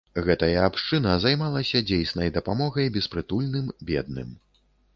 Гэтая абшчына займалася дзейснай дапамогай беспрытульным, бедным.